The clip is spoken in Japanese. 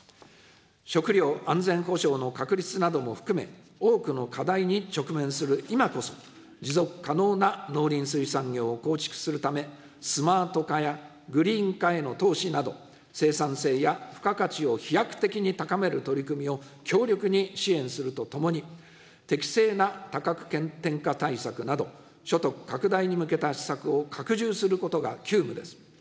食料安全保障の確立なども含め、多くの課題に直面する今こそ、持続可能な農林水産業を構築するため、スマート化やグリーン化への投資など、生産性や付加価値を飛躍的に高める取り組みを強力に支援するとともに、適正な価格転嫁対策など、所得拡大に向けた施策を拡充することが急務です。